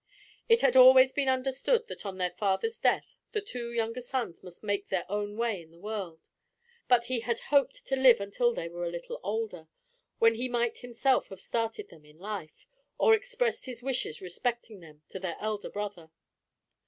It had always been understood that on their father's death the two younger sons must make their own way in the world; but he had hoped to live until they were a little older, when he might himself have started them in life, or expressed his wishes respecting them to their elder brother.